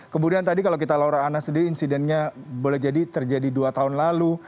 kemudian tadi kalau kita laura ana sendiri insidennya boleh jadi terjadi dua tahun lalu